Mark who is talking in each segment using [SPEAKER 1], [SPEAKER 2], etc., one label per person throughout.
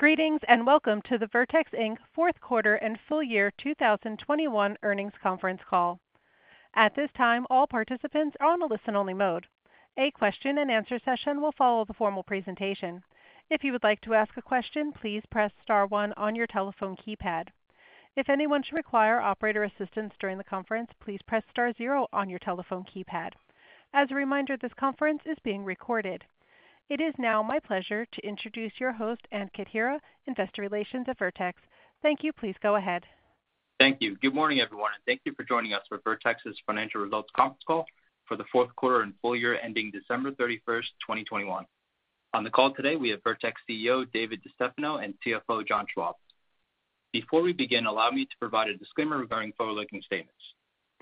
[SPEAKER 1] Greetings, and welcome to the Vertex, Inc. Fourth Quarter and Full Year 2021 Earnings Conference Call. At this time, all participants are on a listen-only mode. A question and answer session will follow the formal presentation. If you would like to ask a question, please press star one on your telephone keypad. If anyone should require operator assistance during the conference, please press star zero on your telephone keypad. As a reminder, this conference is being recorded. It is now my pleasure to introduce your host, Ankit Hira, Investor Relations at Vertex. Thank you. Please go ahead.
[SPEAKER 2] Thank you. Good morning, everyone, and thank you for joining us for Vertex's financial results conference call for the fourth quarter and full year ending December 31st, 2021. On the call today, we have Vertex CEO, David DeStefano, and CFO, John Schwab. Before we begin, allow me to provide a disclaimer regarding forward-looking statements.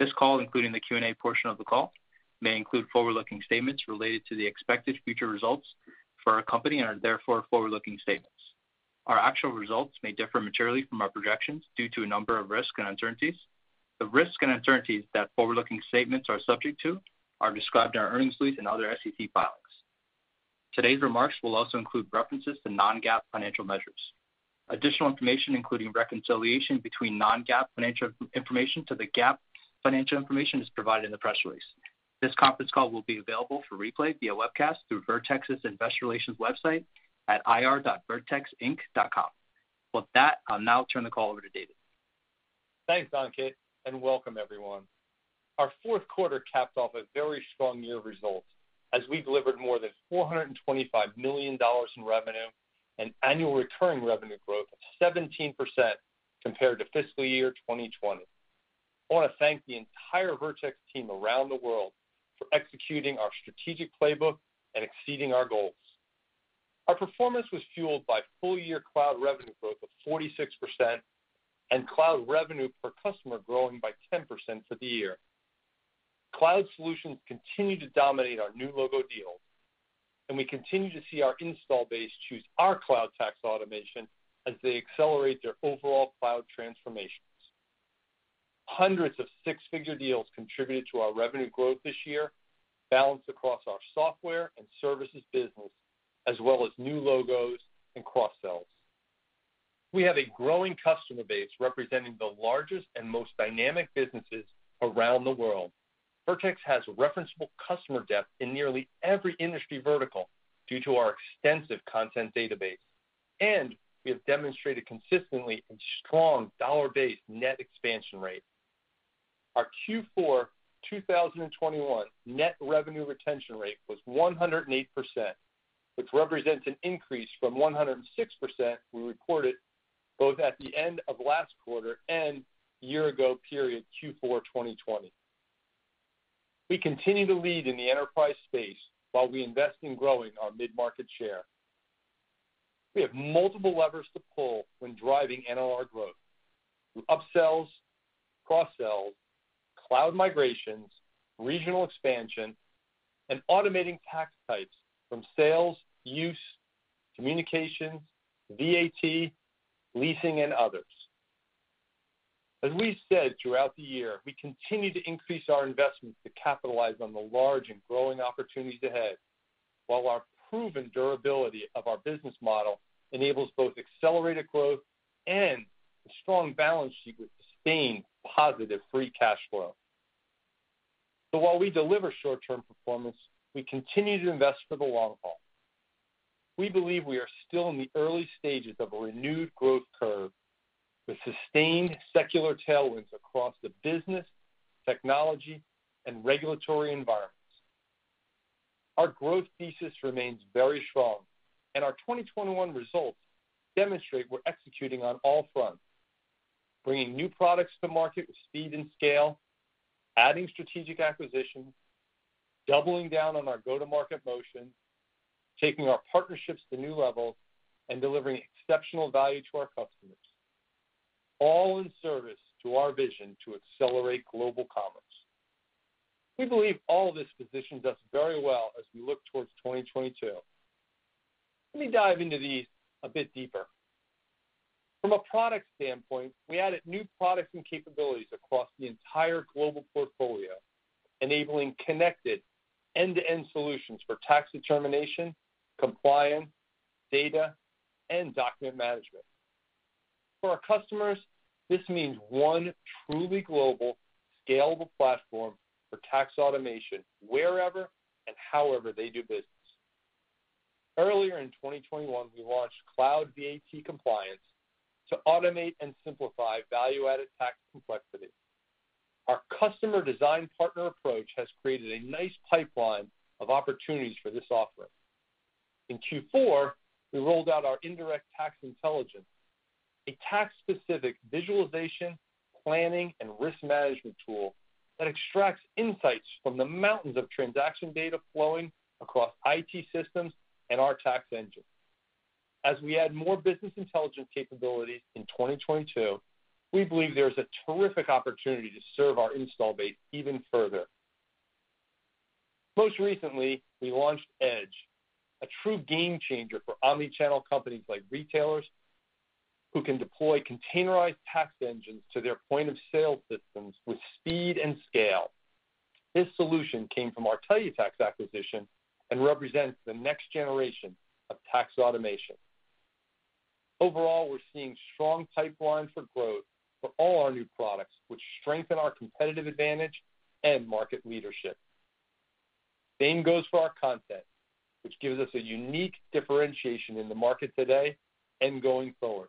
[SPEAKER 2] This call, including the Q&A portion of the call, may include forward-looking statements related to the expected future results for our company and are therefore forward-looking statements. Our actual results may differ materially from our projections due to a number of risks and uncertainties. The risks and uncertainties that forward-looking statements are subject to are described in our earnings release and other SEC filings. Today's remarks will also include references to non-GAAP financial measures. Additional information, including reconciliation between non-GAAP financial information to the GAAP financial information, is provided in the press release. This conference call will be available for replay via webcast through Vertex's Investor Relations website at ir.vertexinc.com. With that, I'll now turn the call over to David.
[SPEAKER 3] Thanks, Ankit, and welcome everyone. Our fourth quarter capped off a very strong year of results as we delivered more than $425 million in revenue and annual recurring revenue growth of 17% compared to fiscal year 2020. I wanna thank the entire Vertex team around the world for executing our strategic playbook and exceeding our goals. Our performance was fueled by full-year cloud revenue growth of 46% and cloud revenue per customer growing by 10% for the year. Cloud solutions continue to dominate our new logo deals, and we continue to see our install base choose our cloud tax automation as they accelerate their overall cloud transformations. Hundreds of six-figure deals contributed to our revenue growth this year, balanced across our software and services business, as well as new logos and cross-sells. We have a growing customer base representing the largest and most dynamic businesses around the world. Vertex has referenceable customer depth in nearly every industry vertical due to our extensive content database, and we have demonstrated consistently a strong dollar-based net expansion rate. Our Q4 2021 net revenue retention rate was 108%, which represents an increase from 106% we recorded both at the end of last quarter and year-ago period Q4 2020. We continue to lead in the enterprise space while we invest in growing our mid-market share. We have multiple levers to pull when driving NRR growth through up-sells, cross-sells, cloud migrations, regional expansion, and automating tax types from sales, use, communications, VAT, leasing, and others. As we said throughout the year, we continue to increase our investments to capitalize on the large and growing opportunities ahead, while our proven durability of our business model enables both accelerated growth and a strong balance sheet with sustained positive free cash flow. While we deliver short-term performance, we continue to invest for the long haul. We believe we are still in the early stages of a renewed growth curve with sustained secular tailwinds across the business, technology, and regulatory environments. Our growth thesis remains very strong, and our 2021 results demonstrate we're executing on all fronts, bringing new products to market with speed and scale, adding strategic acquisitions, doubling down on our go-to-market motion, taking our partnerships to new levels, and delivering exceptional value to our customers, all in service to our vision to accelerate global commerce. We believe all this positions us very well as we look towards 2022. Let me dive into these a bit deeper. From a product standpoint, we added new products and capabilities across the entire global portfolio, enabling connected end-to-end solutions for tax determination, compliance, data, and document management. For our customers, this means one truly global, scalable platform for tax automation wherever and however they do business. Earlier in 2021, we launched Cloud VAT Compliance to automate and simplify value-added tax complexity. Our customer design partner approach has created a nice pipeline of opportunities for this offering. In Q4, we rolled out our Indirect Tax Intelligence, a tax-specific visualization, planning, and risk management tool that extracts insights from the mountains of transaction data flowing across IT systems and our tax engine. As we add more business intelligence capabilities in 2022, we believe there's a terrific opportunity to serve our install base even further. Most recently, we launched Edge, a true game changer for omnichannel companies like retailers who can deploy containerized tax engines to their point-of-sale systems with speed and scale. This solution came from our Tellutax acquisition and represents the next generation of tax automation. Overall, we're seeing strong pipeline for growth for all our new products, which strengthen our competitive advantage and market leadership. Same goes for our content, which gives us a unique differentiation in the market today and going forward.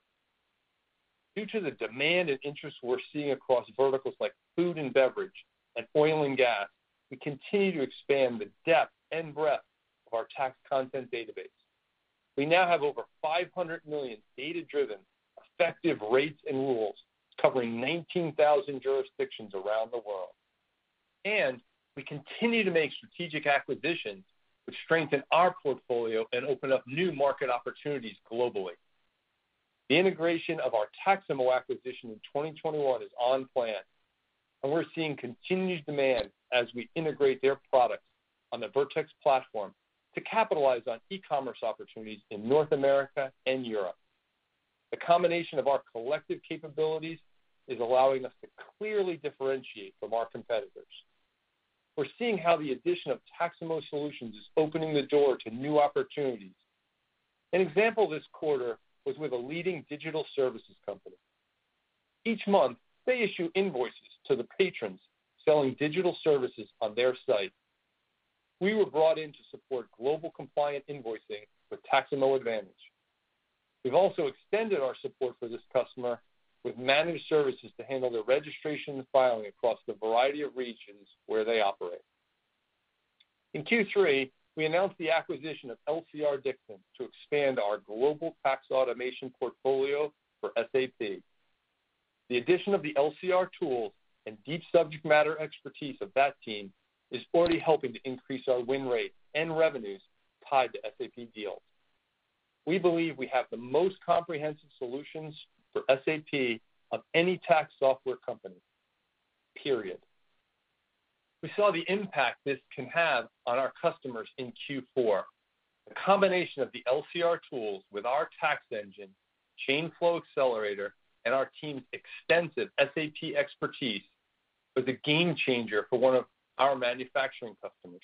[SPEAKER 3] Due to the demand and interest we're seeing across verticals like food and beverage and oil and gas, we continue to expand the depth and breadth of our tax content database. We now have over 500 million data-driven, effective rates and rules covering 19,000 jurisdictions around the world. We continue to make strategic acquisitions, which strengthen our portfolio and open up new market opportunities globally. The integration of our Taxamo acquisition in 2021 is on plan, and we're seeing continued demand as we integrate their products on the Vertex platform to capitalize on e-commerce opportunities in North America and Europe. The combination of our collective capabilities is allowing us to clearly differentiate from our competitors. We're seeing how the addition of Taxamo solutions is opening the door to new opportunities. An example this quarter was with a leading digital services company. Each month, they issue invoices to the patrons selling digital services on their site. We were brought in to support global compliant invoicing with Taxamo Advantage. We've also extended our support for this customer with managed services to handle their registration and filing across the variety of regions where they operate. In Q3, we announced the acquisition of LCR-Dixon to expand our global tax automation portfolio for SAP. The addition of the LCR-Dixon tools and deep subject matter expertise of that team is already helping to increase our win rate and revenues tied to SAP deals. We believe we have the most comprehensive solutions for SAP of any tax software company, period. We saw the impact this can have on our customers in Q4. The combination of the LCR-Dixon tools with our tax engine, Chain Flow Accelerator, and our team's extensive SAP expertise was a game-changer for one of our manufacturing customers.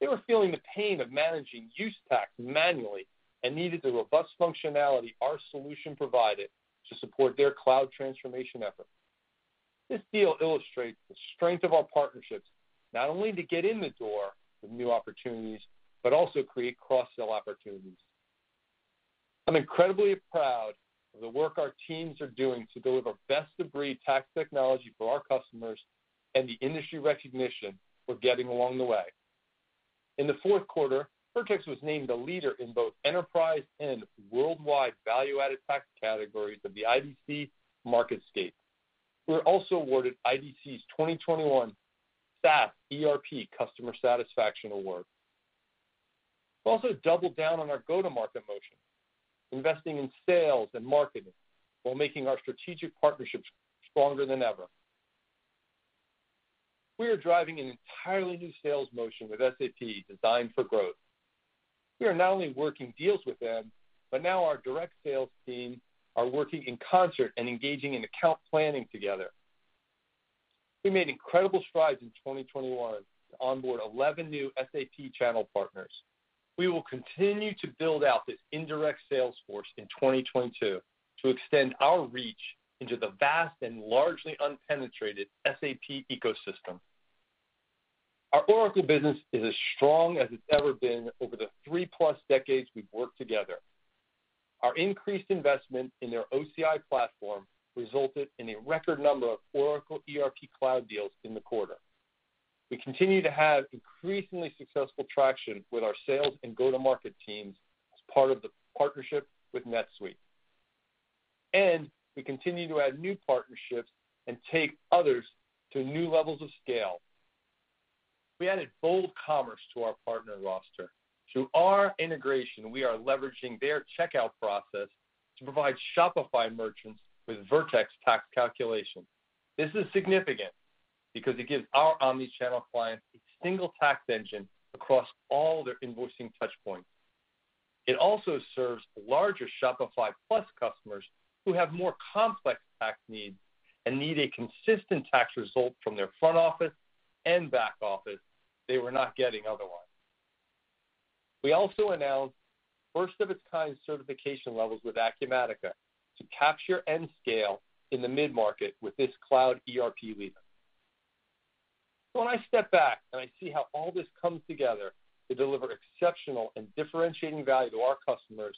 [SPEAKER 3] They were feeling the pain of managing use tax manually and needed the robust functionality our solution provided to support their cloud transformation effort. This deal illustrates the strength of our partnerships, not only to get in the door with new opportunities, but also create cross-sell opportunities. I'm incredibly proud of the work our teams are doing to deliver best-of-breed tax technology for our customers and the industry recognition we're getting along the way. In the fourth quarter, Vertex was named a leader in both enterprise and worldwide value-added tax categories of the IDC MarketScape. We were also awarded IDC's 2021 SaaS ERP Customer Satisfaction Award. We also doubled down on our go-to-market motion, investing in sales and marketing while making our strategic partnerships stronger than ever. We are driving an entirely new sales motion with SAP designed for growth. We are not only working deals with them, but now our direct sales team are working in concert and engaging in account planning together. We made incredible strides in 2021 to onboard 11 new SAP channel partners. We will continue to build out this indirect sales force in 2022 to extend our reach into the vast and largely unpenetrated SAP ecosystem. Our Oracle business is as strong as it's ever been over the 3+ decades we've worked together. Our increased investment in their OCI platform resulted in a record number of Oracle ERP cloud deals in the quarter. We continue to have increasingly successful traction with our sales and go-to-market teams as part of the partnership with NetSuite. We continue to add new partnerships and take others to new levels of scale. We added Bold Commerce to our partner roster. Through our integration, we are leveraging their checkout process to provide Shopify merchants with Vertex tax calculation. This is significant because it gives our omnichannel clients a single tax engine across all their invoicing touch points. It also serves the larger Shopify Plus customers who have more complex tax needs and need a consistent tax result from their front office and back office they were not getting otherwise. We also announced first of its kind certification levels with Acumatica to capture and scale in the mid-market with this cloud ERP leader. When I step back and I see how all this comes together to deliver exceptional and differentiating value to our customers,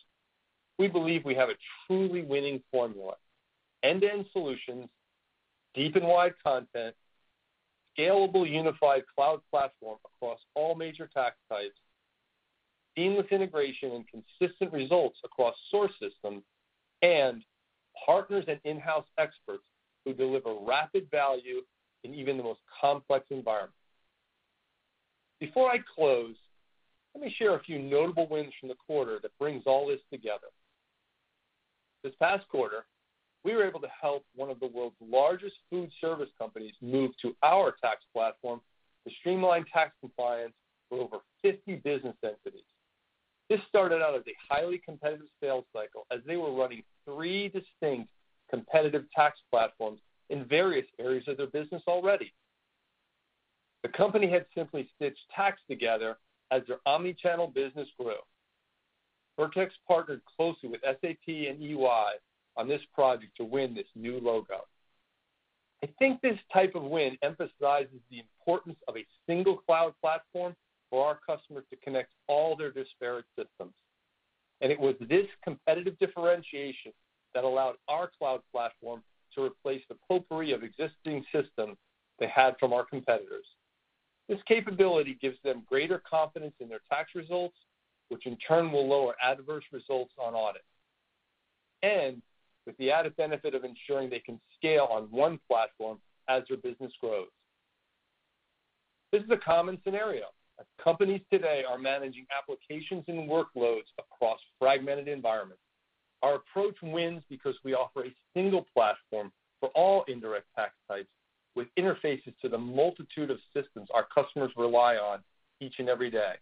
[SPEAKER 3] we believe we have a truly winning formula. End-to-end solutions, deep and wide content, scalable unified cloud platform across all major tax types, seamless integration and consistent results across source systems, and partners and in-house experts who deliver rapid value in even the most complex environments. Before I close, let me share a few notable wins from the quarter that brings all this together. This past quarter, we were able to help one of the world's largest food service companies move to our tax platform to streamline tax compliance for over 50 business entities. This started out as a highly competitive sales cycle as they were running three distinct competitive tax platforms in various areas of their business already. The company had simply stitched tax together as their omni-channel business grew. Vertex partnered closely with SAP and EY on this project to win this new logo. I think this type of win emphasizes the importance of a single cloud platform for our customers to connect all their disparate systems, and it was this competitive differentiation that allowed our cloud platform to replace the potpourri of existing systems they had from our competitors. This capability gives them greater confidence in their tax results, which in turn will lower adverse results on audits, and with the added benefit of ensuring they can scale on one platform as their business grows. This is a common scenario, as companies today are managing applications and workloads across fragmented environments. Our approach wins because we offer a single platform for all indirect tax types with interfaces to the multitude of systems our customers rely on each and every day.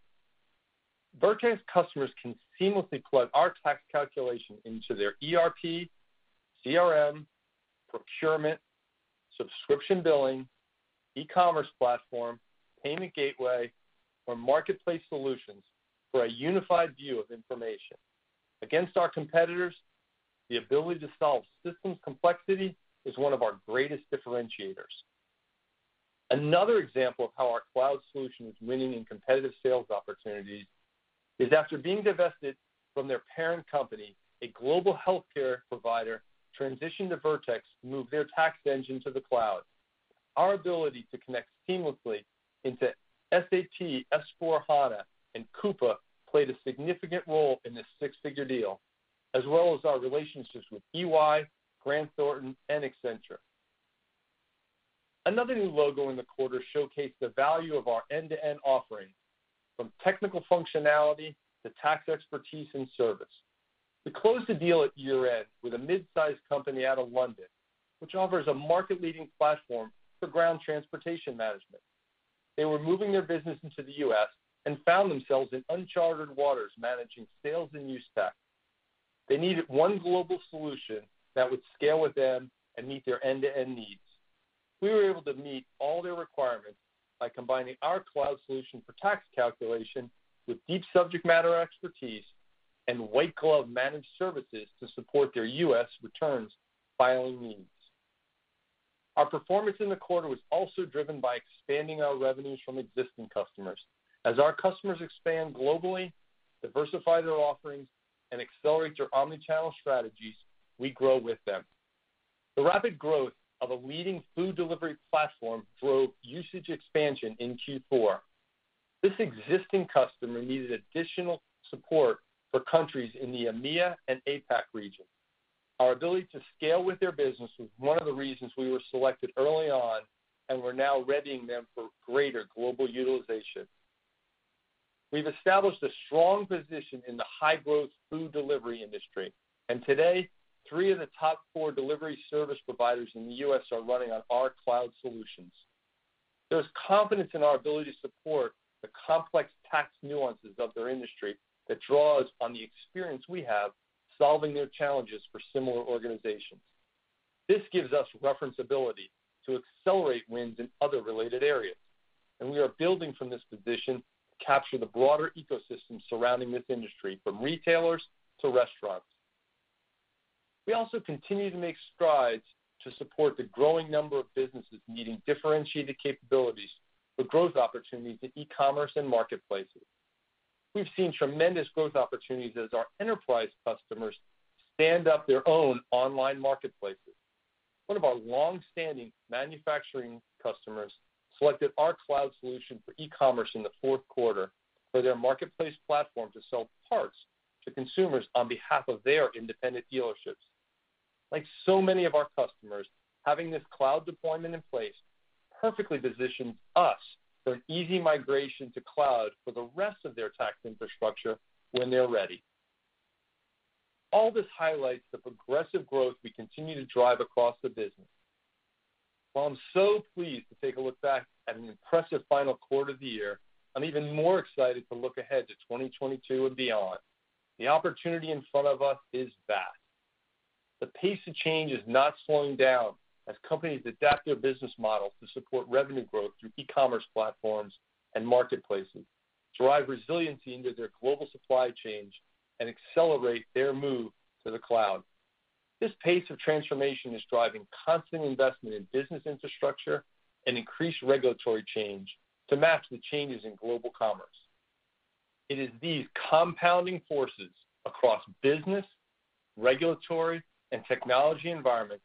[SPEAKER 3] Vertex customers can seamlessly plug our tax calculation into their ERP, CRM, procurement, subscription billing, e-commerce platform, payment gateway, or marketplace solutions for a unified view of information. Against our competitors, the ability to solve systems complexity is one of our greatest differentiators. Another example of how our cloud solution is winning in competitive sales opportunities is after being divested from their parent company, a global healthcare provider transitioned to Vertex to move their tax engine to the cloud. Our ability to connect seamlessly into SAP S/4HANA and Coupa played a significant role in this six-figure deal, as well as our relationships with EY, Grant Thornton, and Accenture. Another new logo in the quarter showcased the value of our end-to-end offering, from technical functionality to tax expertise and service. We closed a deal at year-end with a mid-sized company out of London, which offers a market-leading platform for ground transportation management. They were moving their business into the U.S. and found themselves in uncharted waters managing sales and use tax. They needed one global solution that would scale with them and meet their end-to-end needs. We were able to meet all their requirements by combining our cloud solution for tax calculation with deep subject matter expertise and white-glove managed services to support their U.S. returns filing needs. Our performance in the quarter was also driven by expanding our revenues from existing customers. As our customers expand globally, diversify their offerings, and accelerate their omnichannel strategies, we grow with them. The rapid growth of a leading food delivery platform drove usage expansion in Q4. This existing customer needed additional support for countries in the EMEA and APAC region. Our ability to scale with their business was one of the reasons we were selected early on, and we're now readying them for greater global utilization. We've established a strong position in the high-growth food delivery industry, and today, three of the top four delivery service providers in the U.S. are running on our cloud solutions. There's confidence in our ability to support the complex tax nuances of their industry that draws on the experience we have solving their challenges for similar organizations. This gives us reference ability to accelerate wins in other related areas, and we are building from this position to capture the broader ecosystem surrounding this industry, from retailers to restaurants. We also continue to make strides to support the growing number of businesses needing differentiated capabilities for growth opportunities in e-commerce and marketplaces. We've seen tremendous growth opportunities as our enterprise customers stand up their own online marketplaces. One of our long-standing manufacturing customers selected our cloud solution for e-commerce in the fourth quarter for their marketplace platform to sell parts to consumers on behalf of their independent dealerships. Like so many of our customers, having this cloud deployment in place perfectly positions us for an easy migration to cloud for the rest of their tax infrastructure when they're ready. All this highlights the progressive growth we continue to drive across the business. While I'm so pleased to take a look back at an impressive final quarter of the year, I'm even more excited to look ahead to 2022 and beyond. The opportunity in front of us is vast. The pace of change is not slowing down as companies adapt their business models to support revenue growth through e-commerce platforms and marketplaces, drive resiliency into their global supply chains, and accelerate their move to the cloud. This pace of transformation is driving constant investment in business infrastructure and increased regulatory change to match the changes in global commerce. It is these compounding forces across business, regulatory, and technology environments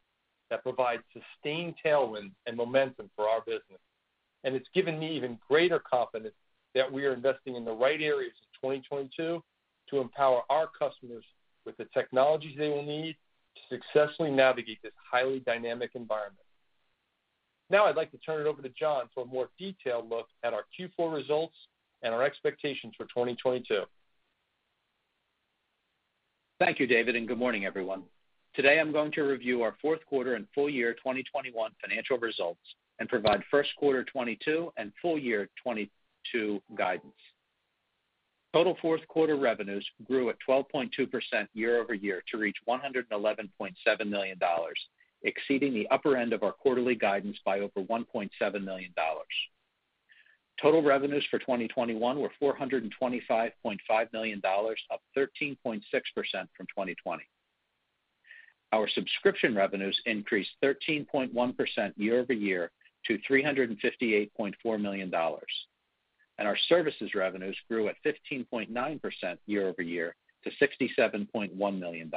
[SPEAKER 3] that provide sustained tailwind and momentum for our business. It's given me even greater confidence that we are investing in the right areas in 2022 to empower our customers with the technologies they will need to successfully navigate this highly dynamic environment. Now I'd like to turn it over to John for a more detailed look at our Q4 results and our expectations for 2022.
[SPEAKER 4] Thank you, David, and good morning, everyone. Today, I'm going to review our fourth quarter and full year 2021 financial results and provide first quarter 2022 and full year 2022 guidance. Total fourth quarter revenues grew at 12.2% year-over-year to reach $111.7 million, exceeding the upper end of our quarterly guidance by over $1.7 million. Total revenues for 2021 were $425.5 million, up 13.6% from 2020. Our subscription revenues increased 13.1% year-over-year to $358.4 million. Our services revenues grew at 15.9% year-over-year to $67.1 million.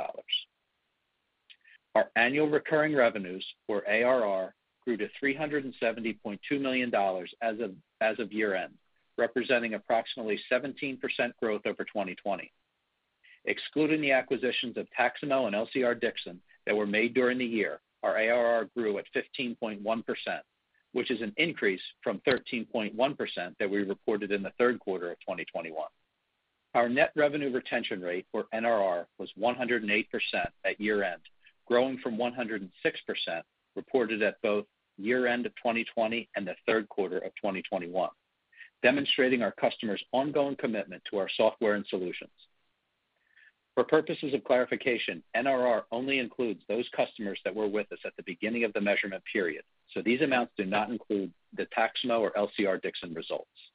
[SPEAKER 4] Our annual recurring revenues, or ARR, grew to $370.2 million as of year-end, representing approximately 17% growth over 2020. Excluding the acquisitions of Taxamo and LCR-Dixon Corporation that were made during the year, our ARR grew at 15.1%, which is an increase from 13.1% that we reported in the third quarter of 2021. Our net revenue retention rate, or NRR, was 108% at year-end, growing from 106% reported at both year-end of 2020 and the third quarter of 2021, demonstrating our customers' ongoing commitment to our software and solutions. For purposes of clarification, NRR only includes those customers that were with us at the beginning of the measurement period, so these amounts do not include the Taxamo or LCR-Dixon Corporation results.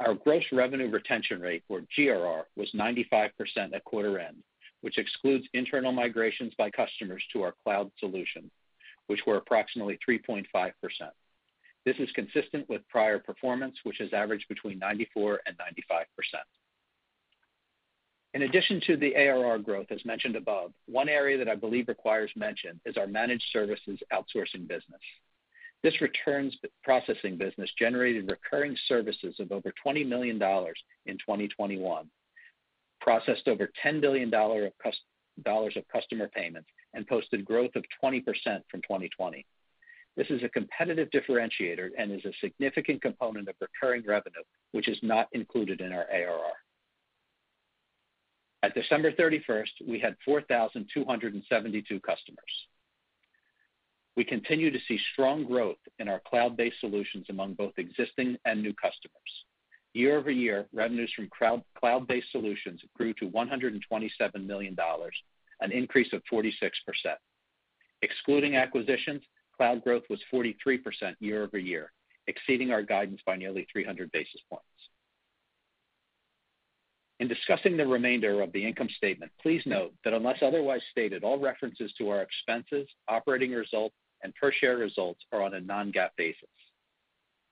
[SPEAKER 4] Our gross revenue retention rate, or GRR, was 95% at quarter end, which excludes internal migrations by customers to our cloud solution, which were approximately 3.5%. This is consistent with prior performance, which has averaged between 94%-95%. In addition to the ARR growth, as mentioned above, one area that I believe requires mention is our managed services outsourcing business. This returns processing business generated recurring services of over $20 million in 2021, processed over $10 billion of customer payments, and posted growth of 20% from 2020. This is a competitive differentiator and is a significant component of recurring revenue, which is not included in our ARR. At December 31st, we had 4,272 customers. We continue to see strong growth in our cloud-based solutions among both existing and new customers. Year-over-year, revenues from cloud-based solutions grew to $127 million, an increase of 46%. Excluding acquisitions, cloud growth was 43% year-over-year, exceeding our guidance by nearly 300 basis points. In discussing the remainder of the income statement, please note that unless otherwise stated, all references to our expenses, operating results, and per share results are on a non-GAAP basis.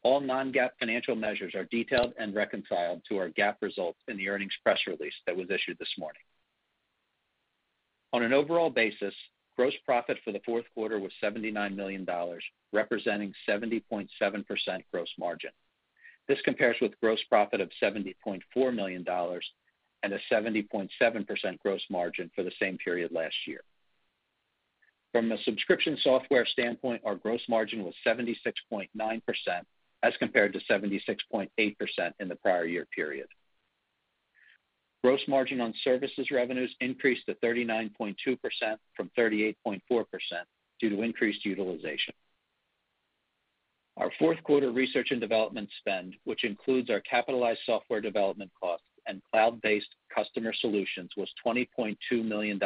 [SPEAKER 4] All non-GAAP financial measures are detailed and reconciled to our GAAP results in the earnings press release that was issued this morning. On an overall basis, gross profit for the fourth quarter was $79 million, representing 70.7% gross margin. This compares with gross profit of $70.4 million and a 70.7% gross margin for the same period last year. From a subscription software standpoint, our gross margin was 76.9% as compared to 76.8% in the prior year period. Gross margin on services revenues increased to 39.2% from 38.4% due to increased utilization. Our fourth quarter research and development spend, which includes our capitalized software development costs and cloud-based customer solutions, was $20.2 million,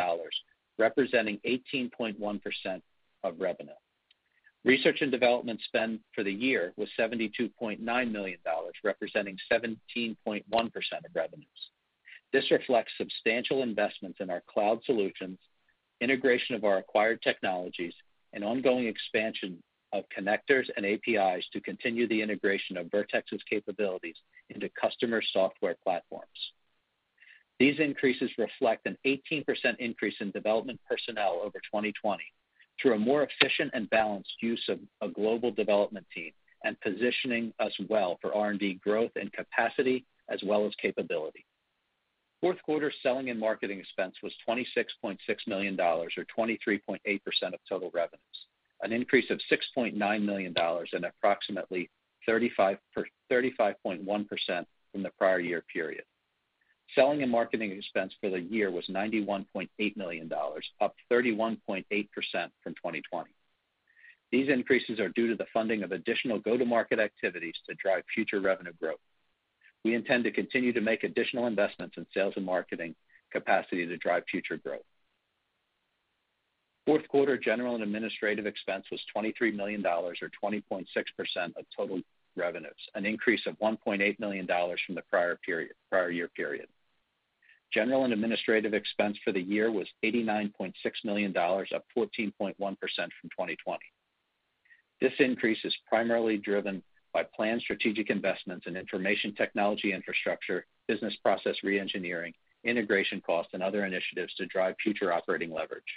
[SPEAKER 4] representing 18.1% of revenue. Research and development spend for the year was $72.9 million, representing 17.1% of revenues. This reflects substantial investments in our cloud solutions, integration of our acquired technologies, and ongoing expansion of connectors and APIs to continue the integration of Vertex's capabilities into customer software platforms. These increases reflect an 18% increase in development personnel over 2020 through a more efficient and balanced use of a global development team and positioning us well for R&D growth and capacity, as well as capability. Fourth quarter selling and marketing expense was $26.6 million or 23.8% of total revenues, an increase of $6.9 million and approximately 35.1% from the prior year period. Selling and marketing expense for the year was $91.8 million, up 31.8% from 2020. These increases are due to the funding of additional go-to-market activities to drive future revenue growth. We intend to continue to make additional investments in sales and marketing capacity to drive future growth. Fourth quarter general and administrative expense was $23 million or 20.6% of total revenues, an increase of $1.8 million from the prior period, prior year period. General and administrative expense for the year was $89.6 million, up 14.1% from 2020. This increase is primarily driven by planned strategic investments in information technology infrastructure, business process reengineering, integration costs, and other initiatives to drive future operating leverage.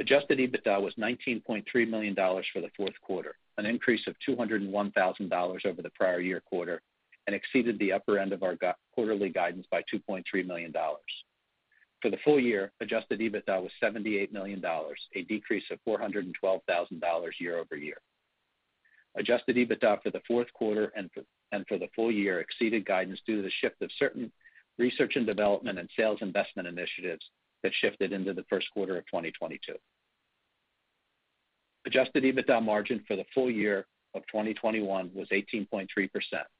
[SPEAKER 4] Adjusted EBITDA was $19.3 million for the fourth quarter, an increase of $201,000 over the prior year quarter and exceeded the upper end of our quarterly guidance by $2.3 million. For the full year, adjusted EBITDA was $78 million, a decrease of $412,000 year-over-year. Adjusted EBITDA for the fourth quarter and for the full year exceeded guidance due to the shift of certain research and development and sales investment initiatives that shifted into the first quarter of 2022. Adjusted EBITDA margin for the full year of 2021 was 18.3%,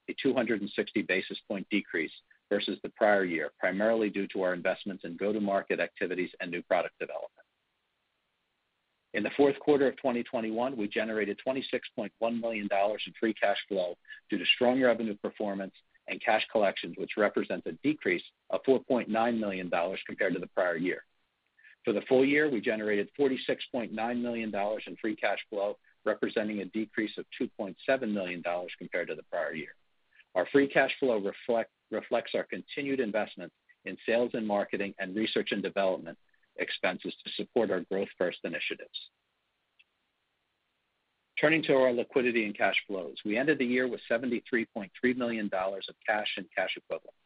[SPEAKER 4] a 260 basis point decrease versus the prior year, primarily due to our investments in go-to-market activities and new product development. In the fourth quarter of 2021, we generated $26.1 million in free cash flow due to stronger revenue performance and cash collections, which represent a decrease of $4.9 million compared to the prior year. For the full year, we generated $46.9 million in free cash flow, representing a decrease of $2.7 million compared to the prior year. Our free cash flow reflects our continued investment in sales and marketing and research and development expenses to support our growth-first initiatives. Turning to our liquidity and cash flows. We ended the year with $73.3 million of cash and cash equivalents.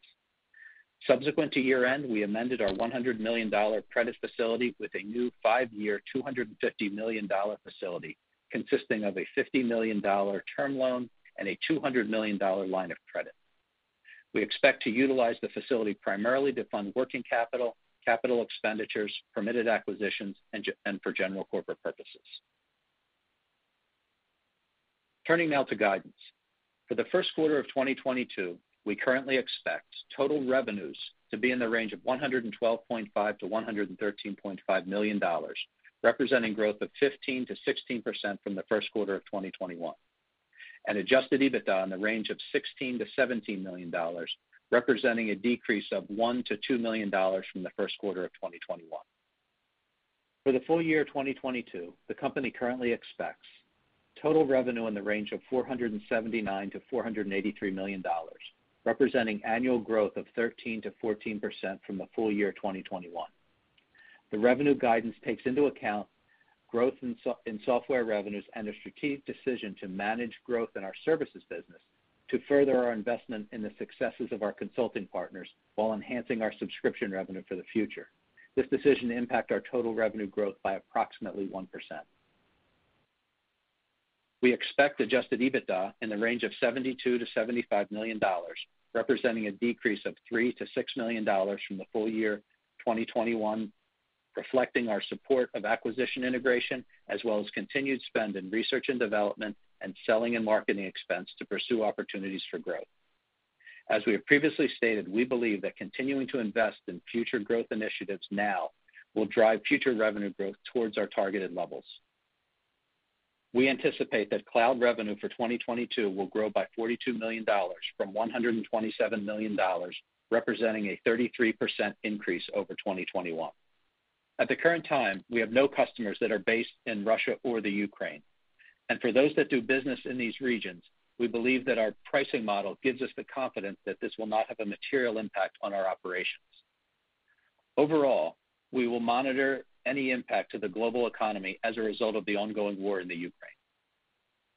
[SPEAKER 4] Subsequent to year-end, we amended our $100 million credit facility with a new five-year, $250 million facility, consisting of a $50 million term loan and a $200 million line of credit. We expect to utilize the facility primarily to fund working capital expenditures, permitted acquisitions, and for general corporate purposes. Turning now to guidance. For the first quarter of 2022, we currently expect total revenues to be in the range of $112.5 million-$113.5 million, representing growth of 15%-16% from the first quarter of 2021. Adjusted EBITDA in the range of $16 million-$17 million, representing a decrease of $1 million-$2 million from the first quarter of 2021. For the full year 2022, the company currently expects total revenue in the range of $479 million-$483 million, representing annual growth of 13%-14% from the full year 2021. The revenue guidance takes into account growth in software revenues and a strategic decision to manage growth in our services business to further our investment in the successes of our consulting partners, while enhancing our subscription revenue for the future. This decision impacts our total revenue growth by approximately 1%. We expect adjusted EBITDA in the range of $72 million-$75 million, representing a decrease of $3 million-$6 million from the full year 2021, reflecting our support of acquisition integration, as well as continued spending in research and development and selling and marketing expense to pursue opportunities for growth. As we have previously stated, we believe that continuing to invest in future growth initiatives now will drive future revenue growth towards our targeted levels. We anticipate that cloud revenue for 2022 will grow by $42 million from $127 million, representing a 33% increase over 2021. At the current time, we have no customers that are based in Russia or the Ukraine. For those that do business in these regions, we believe that our pricing model gives us the confidence that this will not have a material impact on our operations. Overall, we will monitor any impact to the global economy as a result of the ongoing war in the Ukraine.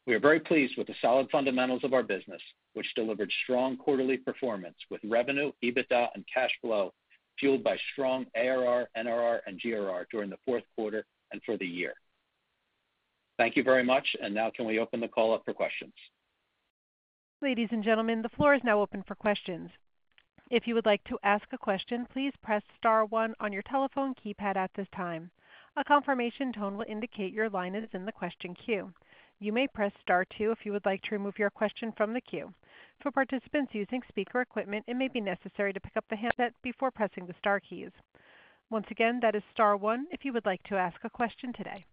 [SPEAKER 4] We are very pleased with the solid fundamentals of our business, which delivered strong quarterly performance with revenue, EBITDA, and cash flow, fueled by strong ARR, NRR, and GRR during the fourth quarter and for the year. Thank you very much. Now can we open the call up for questions?
[SPEAKER 1] Ladies and gentlemen, the floor is now open for questions. If you would like to ask a question, please press star one on your telephone keypad at this time. A confirmation tone will indicate your line is in the question queue. You may press star two if you would like to remove your question from the queue. For participants using speaker equipment, it may be necessary to pick up the handset before pressing the star keys. Once again, that is star one if you would like to ask a question today.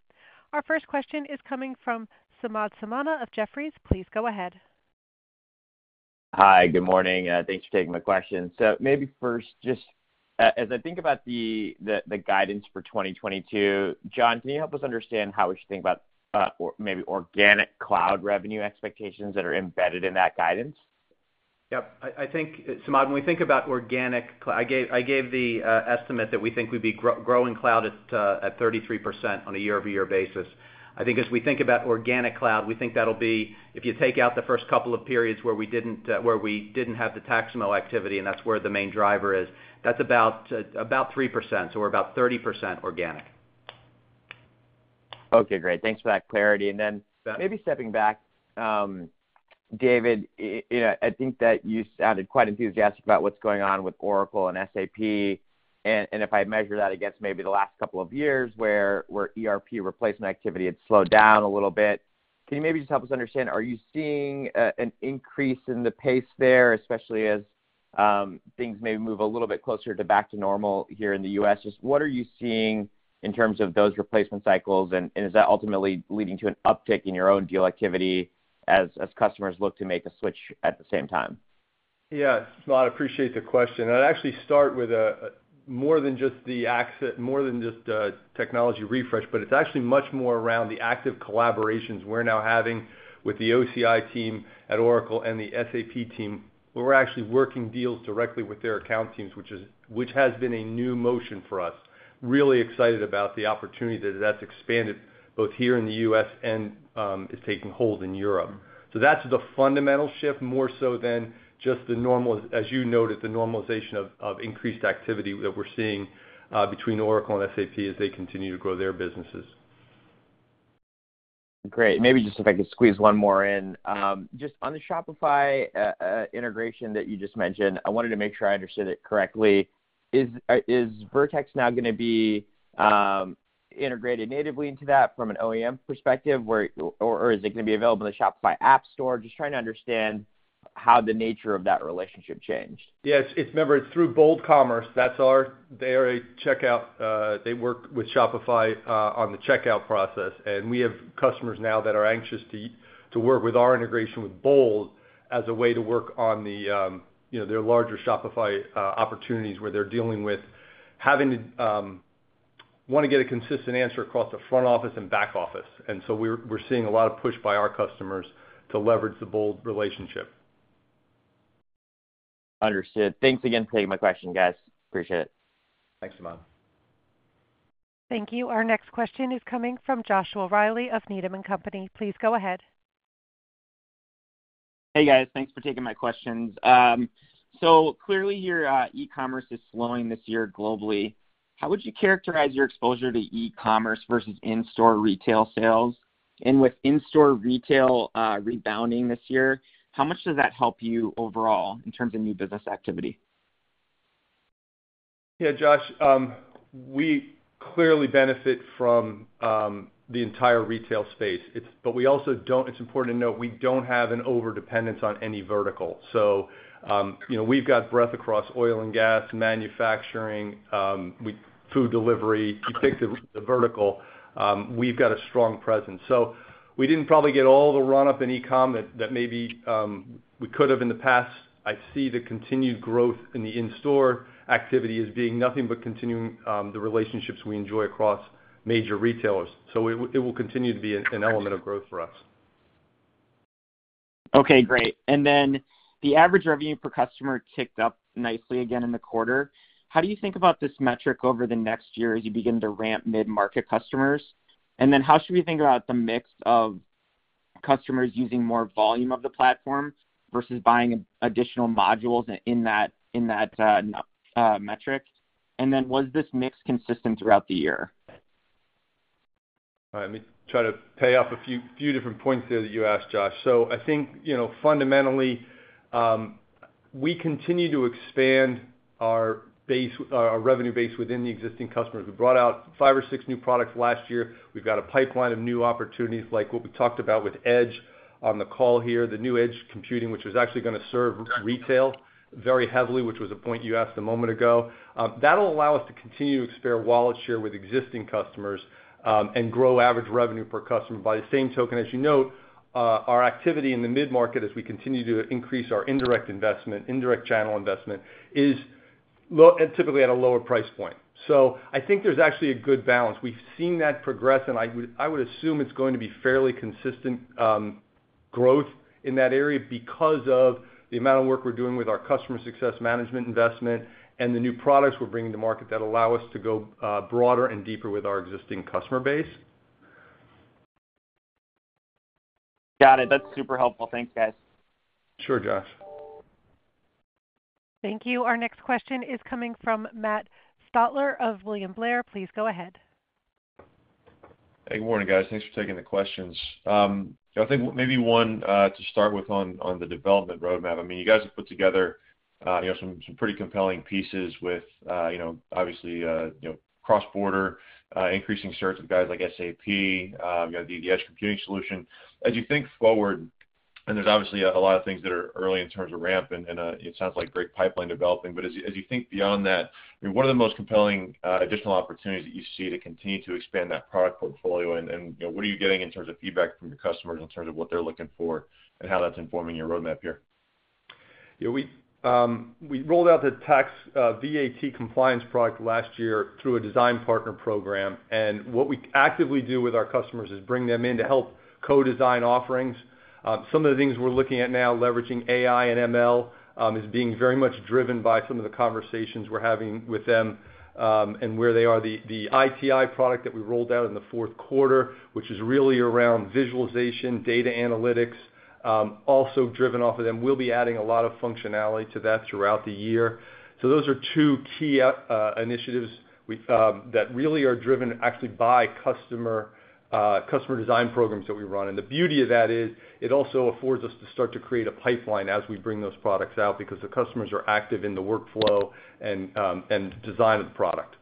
[SPEAKER 1] Our first question is coming from Samad Samana of Jefferies. Please go ahead.
[SPEAKER 5] Hi. Good morning. Thanks for taking my question. Maybe first, just, as I think about the guidance for 2022, John, can you help us understand how we should think about or maybe organic cloud revenue expectations that are embedded in that guidance?
[SPEAKER 4] Yep. I think, Samad, when we think about organic cloud, I gave the estimate that we think we'd be growing cloud at 33% on a year-over-year basis. I think as we think about organic cloud, we think that'll be, if you take out the first couple of periods where we didn't have the Taxamo activity, and that's where the main driver is, that's about 3%. We're about 30% organic.
[SPEAKER 5] Okay, great. Thanks for that clarity.
[SPEAKER 4] So-
[SPEAKER 5] Maybe stepping back, David, I think that you sounded quite enthusiastic about what's going on with Oracle and SAP. If I measure that against maybe the last couple of years where ERP replacement activity had slowed down a little bit, can you maybe just help us understand, are you seeing an increase in the pace there, especially as things maybe move a little bit closer to back to normal here in the U.S.? Just what are you seeing in terms of those replacement cycles, and is that ultimately leading to an uptick in your own deal activity as customers look to make a switch at the same time?
[SPEAKER 3] Yeah. Samad, appreciate the question. I'd actually start with more than just a technology refresh, but it's actually much more around the active collaborations we're now having with the OCI team at Oracle and the SAP team, where we're actually working deals directly with their account teams, which has been a new motion for us. Really excited about the opportunity that's expanded both here in the U.S. and is taking hold in Europe. That's the fundamental shift, more so than just the normal, as you noted, the normalization of increased activity that we're seeing between Oracle and SAP as they continue to grow their businesses.
[SPEAKER 5] Great. Maybe just if I could squeeze one more in. Just on the Shopify integration that you just mentioned, I wanted to make sure I understood it correctly. Is Vertex now gonna be integrated natively into that from an OEM perspective, or is it gonna be available in the Shopify App Store? Just trying to understand how the nature of that relationship changed.
[SPEAKER 3] Yes. It's remember it's through Bold Commerce. They are a checkout. They work with Shopify on the checkout process. We have customers now that are anxious to work with our integration with Bold as a way to work on the you know their larger Shopify opportunities, where they're dealing with having to wanna get a consistent answer across the front office and back office. We're seeing a lot of push by our customers to leverage the Bold relationship.
[SPEAKER 5] Understood. Thanks again for taking my question, guys. Appreciate it.
[SPEAKER 3] Thanks, Samad.
[SPEAKER 1] Thank you. Our next question is coming from Joshua Reilly of Needham & Company. Please go ahead.
[SPEAKER 6] Hey, guys. Thanks for taking my questions. Clearly your e-commerce is slowing this year globally. How would you characterize your exposure to e-commerce versus in-store retail sales? With in-store retail rebounding this year, how much does that help you overall in terms of new business activity?
[SPEAKER 3] Yeah, Josh, we clearly benefit from the entire retail space. It's important to note, we don't have an overdependence on any vertical. You know, we've got breadth across oil and gas, manufacturing, with food delivery. You pick the vertical, we've got a strong presence. We didn't probably get all the run up in e-com that maybe we could have in the past. I see the continued growth in the in-store activity as being nothing but continuing the relationships we enjoy across major retailers. It will continue to be an element of growth for us.
[SPEAKER 6] Okay, great. The average revenue per customer ticked up nicely again in the quarter. How do you think about this metric over the next year as you begin to ramp mid-market customers? How should we think about the mix of customers using more volume of the platform versus buying additional modules in that metric? Was this mix consistent throughout the year?
[SPEAKER 3] All right. Let me try to pay off a few different points there that you asked, Josh. I think, you know, fundamentally, we continue to expand our base, our revenue base within the existing customers. We brought out five or six new products last year. We've got a pipeline of new opportunities like what we talked about with Edge on the call here, the new edge computing, which is actually gonna serve retail very heavily, which was a point you asked a moment ago. That'll allow us to continue to expand wallet share with existing customers, and grow average revenue per customer. By the same token, as you note, our activity in the mid-market as we continue to increase our indirect investment, indirect channel investment, is typically at a lower price point. I think there's actually a good balance. We've seen that progress, and I would assume it's going to be fairly consistent growth in that area because of the amount of work we're doing with our customer success management investment and the new products we're bringing to market that allow us to go broader and deeper with our existing customer base.
[SPEAKER 6] Got it. That's super helpful. Thanks, guys.
[SPEAKER 3] Sure, Josh.
[SPEAKER 1] Thank you. Our next question is coming from Matt Stotler of William Blair. Please go ahead.
[SPEAKER 7] Hey, good morning, guys. Thanks for taking the questions. I think maybe one to start with on the development roadmap. I mean, you guys have put together, you know, some pretty compelling pieces with, you know, obviously, you know, cross-border, increasing certs with guys like SAP. You have the edge computing solution. As you think forward, and there's obviously a lot of things that are early in terms of ramp and it sounds like great pipeline developing, but as you think beyond that, I mean, what are the most compelling additional opportunities that you see to continue to expand that product portfolio? You know, what are you getting in terms of feedback from your customers in terms of what they're looking for and how that's informing your roadmap here?
[SPEAKER 3] Yeah. We rolled out the tax VAT compliance product last year through a design partner program, and what we actively do with our customers is bring them in to help co-design offerings. Some of the things we're looking at now, leveraging AI and ML, is being very much driven by some of the conversations we're having with them, and where they are. The ITI product that we rolled out in the fourth quarter, which is really around visualization, data analytics, also driven off of them. We'll be adding a lot of functionality to that throughout the year. Those are two key initiatives that really are driven actually by customer design programs that we run. The beauty of that is, it also affords us to start to create a pipeline as we bring those products out because the customers are active in the workflow and design of the product.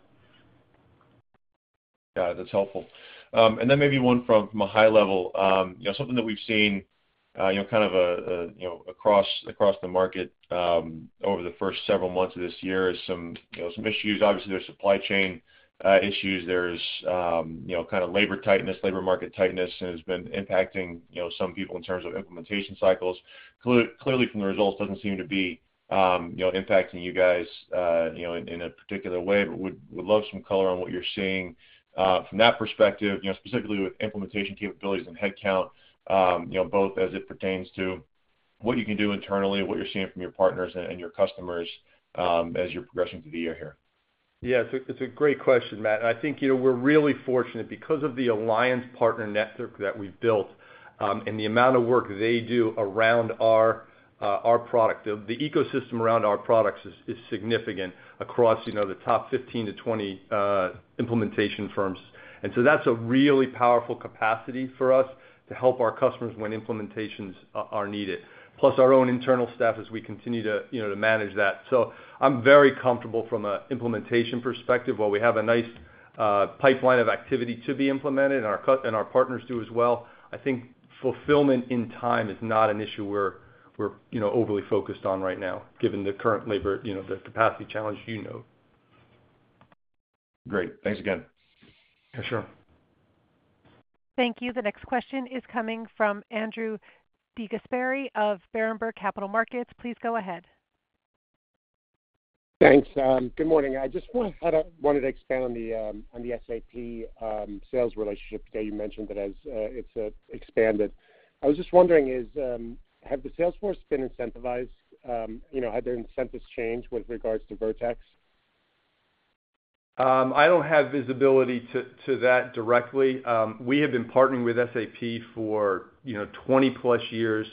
[SPEAKER 7] Got it. That's helpful. Maybe one from a high level. You know, something that we've seen, you know, kind of a, you know, across the market, over the first several months of this year is some, you know, some issues. Obviously, there's supply chain issues. There's, you know, kinda labor tightness, labor market tightness, and it's been impacting, you know, some people in terms of implementation cycles. Clearly from the results doesn't seem to be impacting you guys, you know, in a particular way, but would love some color on what you're seeing from that perspective, you know, specifically with implementation capabilities and headcount, you know, both as it pertains to what you can do internally, what you're seeing from your partners and your customers, as you're progressing through the year here.
[SPEAKER 3] Yeah. It's a great question, Matt, and I think, you know, we're really fortunate. Because of the alliance partner network that we've built, and the amount of work they do around our product, the ecosystem around our products is significant across, you know, the top 15-20 implementation firms. That's a really powerful capacity for us to help our customers when implementations are needed, plus our own internal staff as we continue to manage that. I'm very comfortable from an implementation perspective. While we have a nice pipeline of activity to be implemented, and our customers and our partners do as well, I think fulfillment on time is not an issue we're overly focused on right now given the current labor capacity challenge, you know.
[SPEAKER 7] Great. Thanks again.
[SPEAKER 3] Yeah, sure.
[SPEAKER 1] Thank you. The next question is coming from Andrew DeGasperi of Berenberg Capital Markets. Please go ahead.
[SPEAKER 8] Thanks. Good morning. I wanted to expand on the SAP sales relationship today. You mentioned it as it's expanded. I was just wondering, have the sales force been incentivized, you know, have their incentives changed with regards to Vertex?
[SPEAKER 3] I don't have visibility to that directly. We have been partnering with SAP for, you know, 20+ years.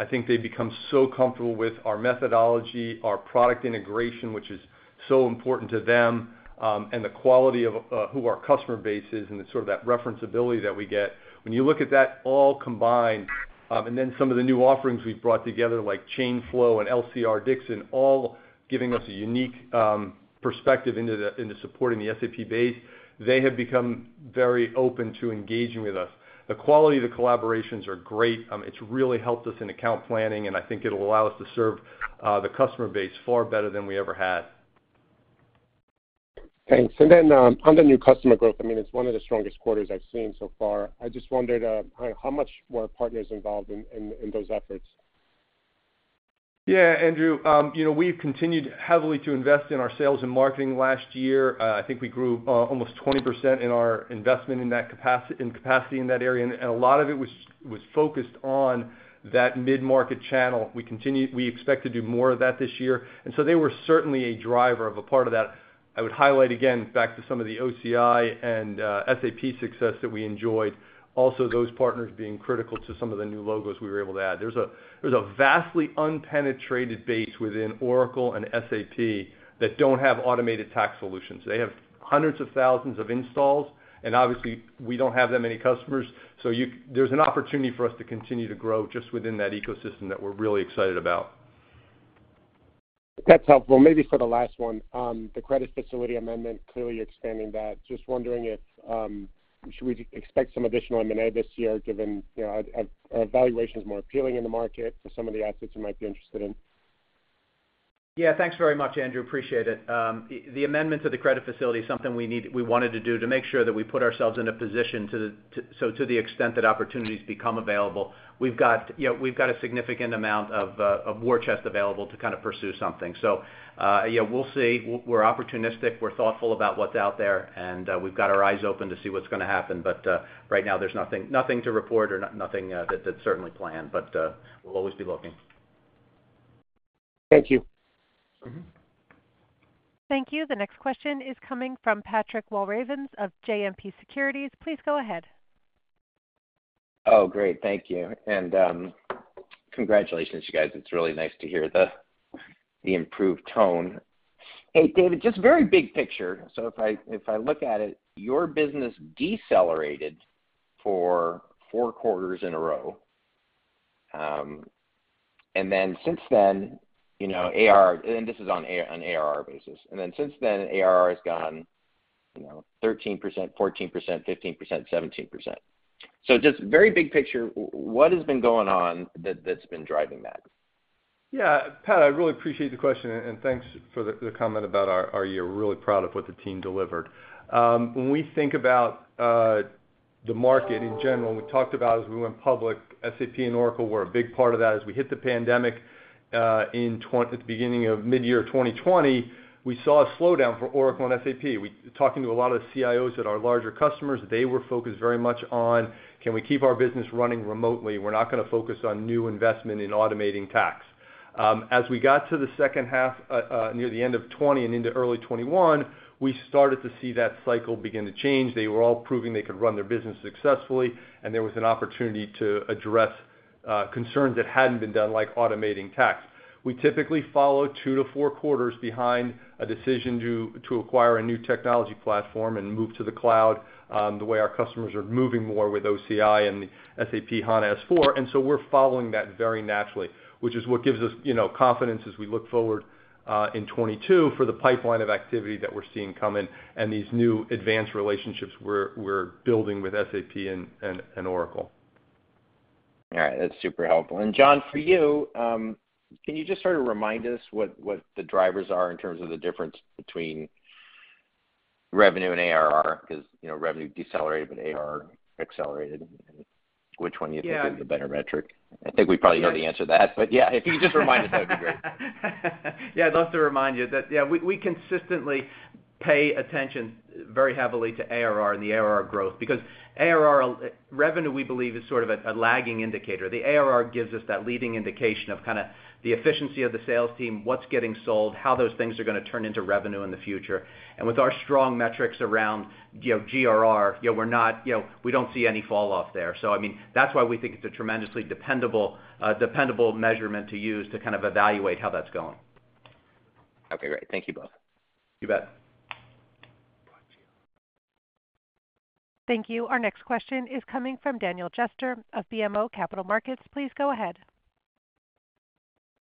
[SPEAKER 3] I think they've become so comfortable with our methodology, our product integration, which is so important to them, and the quality of who our customer base is and the sort of that reference ability that we get. When you look at that all combined, and then some of the new offerings we've brought together, like Chain Flow and LCR-Dixon, all giving us a unique perspective into the supporting the SAP base, they have become very open to engaging with us. The quality of the collaborations are great. It's really helped us in account planning, and I think it'll allow us to serve the customer base far better than we ever had.
[SPEAKER 8] Thanks. On the new customer growth, I mean, it's one of the strongest quarters I've seen so far. I just wondered how much were partners involved in those efforts?
[SPEAKER 3] Yeah, Andrew. You know, we've continued heavily to invest in our sales and marketing last year. I think we grew almost 20% in our investment in that capacity in that area, and a lot of it was focused on that mid-market channel. We expect to do more of that this year, and so they were certainly a driver of a part of that. I would highlight again back to some of the OCI and SAP success that we enjoyed, also those partners being critical to some of the new logos we were able to add. There's a vastly unpenetrated base within Oracle and SAP that don't have automated tax solutions. They have hundreds of thousands of installs, and obviously, we don't have that many customers. So you...There's an opportunity for us to continue to grow just within that ecosystem that we're really excited about.
[SPEAKER 8] That's helpful. Maybe for the last one, the credit facility amendment, clearly expanding that. Just wondering if should we expect some additional M&A this year given, you know, a valuation is more appealing in the market for some of the assets you might be interested in?
[SPEAKER 4] Yeah. Thanks very much, Andrew. Appreciate it. The amendment to the credit facility is something we need. We wanted to do to make sure that we put ourselves in a position, so to the extent that opportunities become available, we've got, you know, we've got a significant amount of war chest available to kind of pursue something. Yeah, we'll see. We're opportunistic, we're thoughtful about what's out there, and we've got our eyes open to see what's gonna happen. Right now there's nothing to report or nothing that's certainly planned, but we'll always be looking.
[SPEAKER 8] Thank you.
[SPEAKER 1] Thank you. The next question is coming from Patrick Walravens of JMP Securities. Please go ahead.
[SPEAKER 9] Oh, great. Thank you. Congratulations, you guys. It's really nice to hear the improved tone. Hey, David, just very big picture. If I look at it, your business decelerated for four quarters in a row. Then since then, this is on ARR basis. Then since then, ARR has gone, you know, 13%, 14%, 15%, 17%. Just very big picture, what has been going on that's been driving that?
[SPEAKER 3] Yeah. Pat, I really appreciate the question, and thanks for the comment about our year. Really proud of what the team delivered. When we think about the market in general, and we talked about as we went public, SAP and Oracle were a big part of that. As we hit the pandemic, at the beginning of midyear 2020, we saw a slowdown for Oracle and SAP. Talking to a lot of the CIOs at our larger customers, they were focused very much on, "Can we keep our business running remotely? We're not gonna focus on new investment in automating tax." As we got to the second half, near the end of 2020 and into early 2021, we started to see that cycle begin to change. They were all proving they could run their business successfully, and there was an opportunity to address concerns that hadn't been done, like automating tax. We typically follow two to four quarters behind a decision to acquire a new technology platform and move to the cloud, the way our customers are moving more with OCI and the SAP S/4HANA. We're following that very naturally, which is what gives us, you know, confidence as we look forward in 2022 for the pipeline of activity that we're seeing coming and these new advanced relationships we're building with SAP and Oracle.
[SPEAKER 9] All right. That's super helpful. John, for you, can you just sort of remind us what the drivers are in terms of the difference between revenue and ARR? 'Cause, you know, revenue decelerated, but ARR accelerated. Which one you-
[SPEAKER 4] Yeah
[SPEAKER 9] think is the better metric? I think we probably know the answer to that. Yeah, if you could just remind us, that'd be great.
[SPEAKER 4] Yeah. I'd love to remind you that, yeah, we consistently pay attention very heavily to ARR and the ARR growth because ARR. Revenue, we believe, is sort of a lagging indicator. The ARR gives us that leading indication of kind of the efficiency of the sales team, what's getting sold, how those things are gonna turn into revenue in the future. With our strong metrics around, you know, GRR, you know, we're not, you know, we don't see any fall off there. I mean, that's why we think it's a tremendously dependable measurement to use to kind of evaluate how that's going.
[SPEAKER 9] Okay, great. Thank you both.
[SPEAKER 4] You bet.
[SPEAKER 1] Thank you. Our next question is coming from Daniel Jester of BMO Capital Markets. Please go ahead.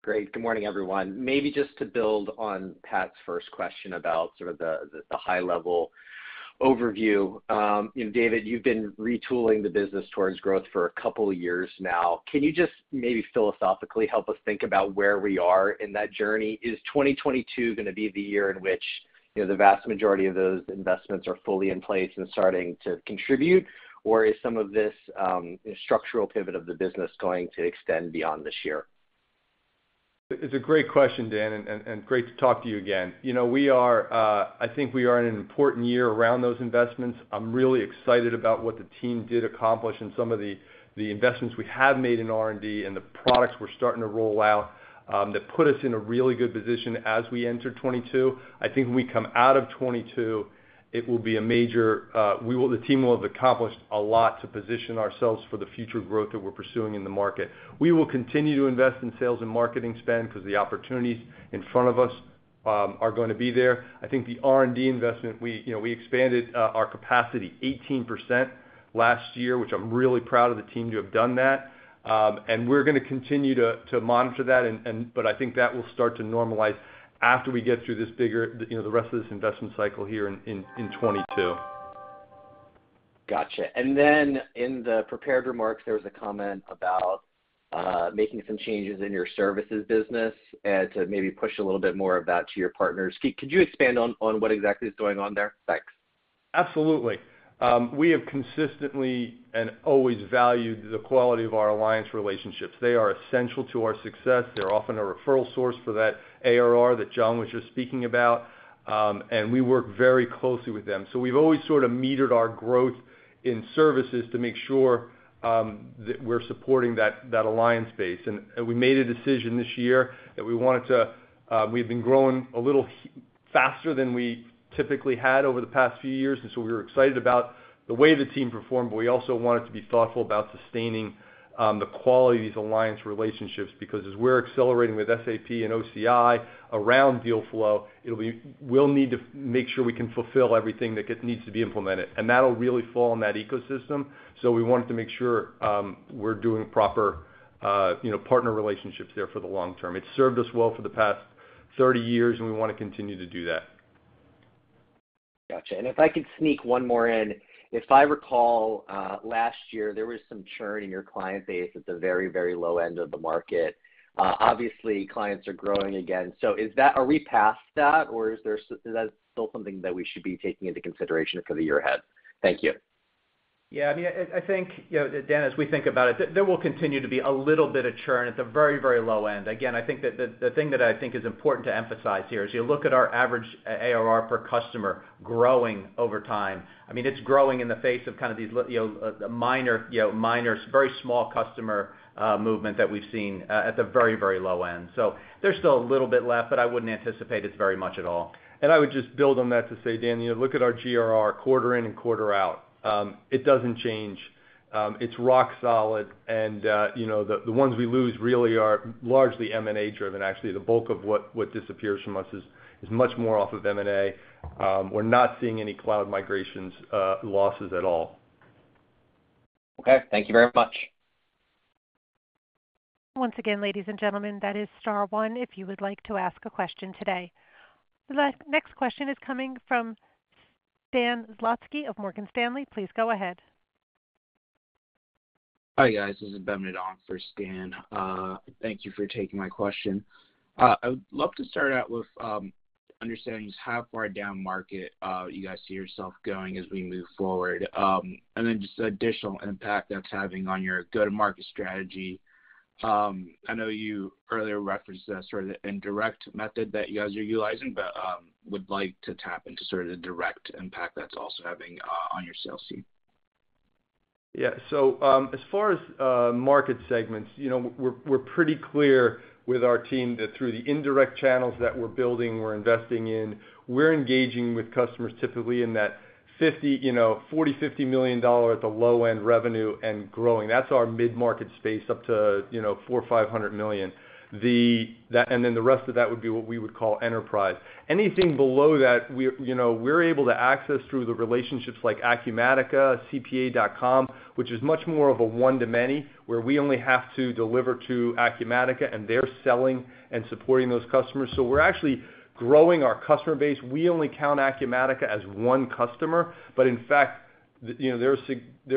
[SPEAKER 10] Great. Good morning, everyone. Maybe just to build on Pat's first question about sort of the high level overview. You know, David, you've been retooling the business towards growth for a couple years now. Can you just maybe philosophically help us think about where we are in that journey? Is 2022 gonna be the year in which, you know, the vast majority of those investments are fully in place and starting to contribute? Or is some of this structural pivot of the business going to extend beyond this year?
[SPEAKER 3] It's a great question, Dan, and great to talk to you again. You know, I think we are in an important year around those investments. I'm really excited about what the team did accomplish in some of the investments we have made in R&D and the products we're starting to roll out that put us in a really good position as we enter 2022. I think when we come out of 2022, the team will have accomplished a lot to position ourselves for the future growth that we're pursuing in the market. We will continue to invest in sales and marketing spend because the opportunities in front of us are gonna be there. I think the R&D investment, you know, we expanded our capacity 18% last year, which I'm really proud of the team to have done that. We're gonna continue to monitor that and, but I think that will start to normalize after we get through this bigger, you know, the rest of this investment cycle here in 2022.
[SPEAKER 10] Gotcha. In the prepared remarks, there was a comment about making some changes in your services business and to maybe push a little bit more of that to your partners. Could you expand on what exactly is going on there? Thanks.
[SPEAKER 3] Absolutely. We have consistently and always valued the quality of our alliance relationships. They are essential to our success. They're often a referral source for that ARR that John was just speaking about, and we work very closely with them. We've always sort of metered our growth in services to make sure that we're supporting that alliance base. We made a decision this year that we wanted to, we've been growing a little faster than we typically had over the past few years, and so we were excited about the way the team performed, but we also wanted to be thoughtful about sustaining the quality of these alliance relationships. Because as we're accelerating with SAP and OCI around deal flow, we'll need to make sure we can fulfill everything that needs to be implemented, and that'll really fall on that ecosystem. We wanted to make sure we're doing proper, you know, partner relationships there for the long-term. It's served us well for the past 30 years, and we wanna continue to do that.
[SPEAKER 10] Gotcha. If I could sneak one more in. If I recall, last year, there was some churn in your client base at the very, very low end of the market. Obviously, clients are growing again. Are we past that, or is that still something that we should be taking into consideration for the year ahead? Thank you.
[SPEAKER 4] Yeah, I mean, I think, you know, Dan, as we think about it, there will continue to be a little bit of churn at the very, very low end. Again, I think that the thing that I think is important to emphasize here is you look at our average ARR per customer growing over time. I mean, it's growing in the face of kind of these minor, you know, very small customer movement that we've seen at the very, very low end. So there's still a little bit left, but I wouldn't anticipate it's very much at all.
[SPEAKER 3] I would just build on that to say, Dan, you know, look at our GRR quarter in and quarter out. It doesn't change. It's rock solid and, you know, the ones we lose really are largely M&A driven. Actually, the bulk of what disappears from us is much more off of M&A. We're not seeing any cloud migrations losses at all.
[SPEAKER 10] Okay. Thank you very much.
[SPEAKER 1] Once again, ladies and gentlemen, that is star one if you would like to ask a question today. The next question is coming from Stan Zlotsky of Morgan Stanley. Please go ahead.
[SPEAKER 11] Hi, guys. This is Ben Uglow for Stan. Thank you for taking my question. I would love to start out with understanding just how far down market you guys see yourself going as we move forward. Just the additional impact that's having on your go-to-market strategy. I know you earlier referenced the sort of indirect method that you guys are utilizing, but would like to tap into sort of the direct impact that's also having on your sales team.
[SPEAKER 3] Yeah. As far as market segments, you know, we're pretty clear with our team that through the indirect channels that we're building, we're investing in, we're engaging with customers typically in that $40 million-$50 million at the low-end revenue and growing. That's our mid-market space up to 400 or 500 million. That and then the rest of that would be what we would call enterprise. Anything below that, we, you know, we're able to access through the relationships like Acumatica, CPA.com, which is much more of a one to many, where we only have to deliver to Acumatica, and they're selling and supporting those customers. We're actually growing our customer base. We only count Acumatica as one customer, but in fact, you know, there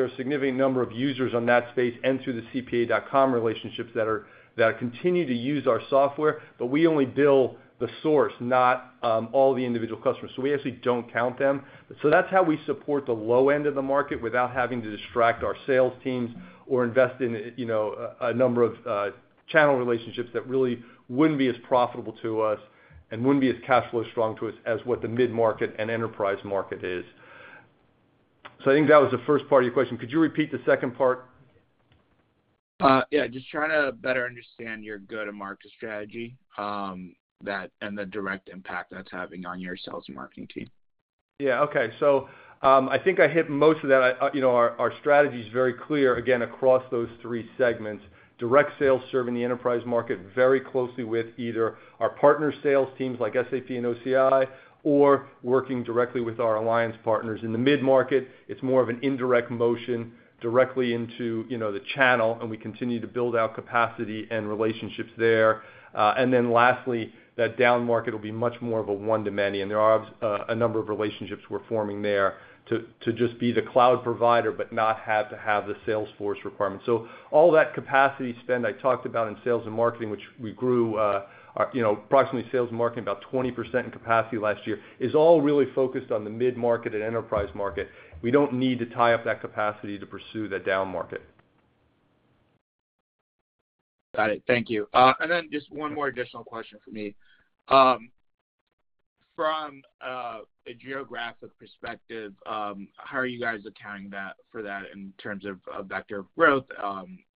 [SPEAKER 3] are a significant number of users on that space and through the CPA.com relationships that continue to use our software, but we only bill the source, not all the individual customers. So we actually don't count them. So that's how we support the low end of the market without having to distract our sales teams or invest in, you know, a number of channel relationships that really wouldn't be as profitable to us and wouldn't be as cash flow strong to us as what the mid-market and enterprise market is. I think that was the first part of your question. Could you repeat the second part?
[SPEAKER 11] Yeah. Just trying to better understand your go-to-market strategy, that and the direct impact that's having on your sales and marketing team.
[SPEAKER 3] Yeah. Okay. I think I hit most of that. You know, our strategy is very clear, again, across those three segments. Direct sales serving the enterprise market very closely with either our partner sales teams like SAP and OCI or working directly with our alliance partners. In the mid-market, it's more of an indirect motion directly into, you know, the channel, and we continue to build out capacity and relationships there. Lastly, that downmarket will be much more of a one to many, and there are a number of relationships we're forming there to just be the cloud provider but not have to have the sales force requirement. All that capacity spend I talked about in sales and marketing, which we grew, approximately sales and marketing about 20% in capacity last year, is all really focused on the mid-market and enterprise market. We don't need to tie up that capacity to pursue the down market.
[SPEAKER 11] Got it. Thank you. Just one more additional question for me. From a geographic perspective, how are you guys accounting for that in terms of Vertex growth,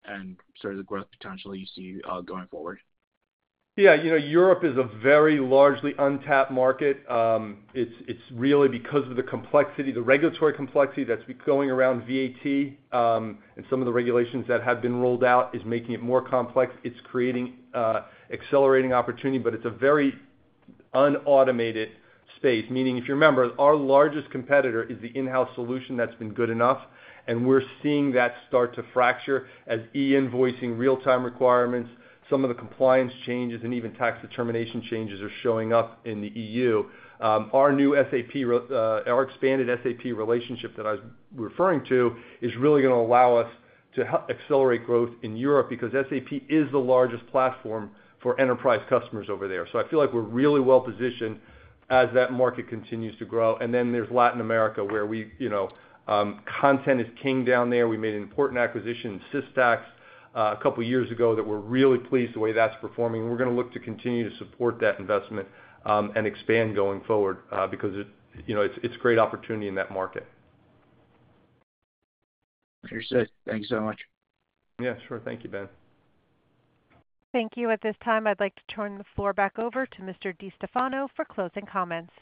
[SPEAKER 11] and sort of the growth potential you see going forward?
[SPEAKER 3] Yeah. You know, Europe is a very largely untapped market. It's really because of the complexity, the regulatory complexity that's going around VAT, and some of the regulations that have been rolled out are making it more complex. It's creating accelerating opportunity, but it's a very unautomated space. Meaning, if you remember, our largest competitor is the in-house solution that's been good enough, and we're seeing that start to fracture as e-invoicing real-time requirements, some of the compliance changes, and even tax determination changes are showing up in the EU. Our expanded SAP relationship that I was referring to is really gonna allow us to accelerate growth in Europe because SAP is the largest platform for enterprise customers over there. I feel like we're really well positioned as that market continues to grow. Then there's Latin America, where we, you know, content is king down there. We made an important acquisition in Systax a couple years ago that we're really pleased the way that's performing. We're gonna look to continue to support that investment and expand going forward because it, you know, it's great opportunity in that market.
[SPEAKER 11] Appreciate it. Thank you so much.
[SPEAKER 3] Yeah, sure. Thank you, Ben.
[SPEAKER 1] Thank you. At this time, I'd like to turn the floor back over to Mr. DeStefano for closing comments.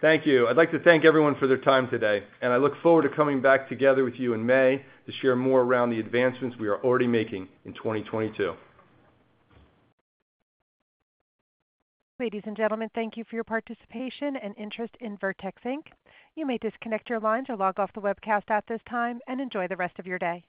[SPEAKER 3] Thank you. I'd like to thank everyone for their time today, and I look forward to coming back together with you in May to share more around the advancements we are already making in 2022.
[SPEAKER 1] Ladies and gentlemen, thank you for your participation and interest in Vertex, Inc. You may disconnect your lines or log off the webcast at this time, and enjoy the rest of your day.